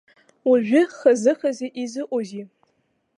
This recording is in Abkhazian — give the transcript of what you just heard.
Уажәы хазы-хазы изыҟоузеи?